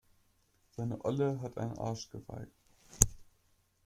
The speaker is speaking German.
Seine Olle hat ein Arschgeweih.